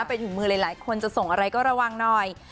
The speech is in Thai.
ไปถึงมือหลายคนจะส่งอะไรก็ระวังหน่อย